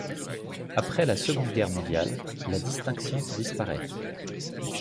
Après la Seconde Guerre mondiale, la distinction disparaît.